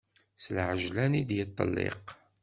S lɛejlan i d-yeṭelliq.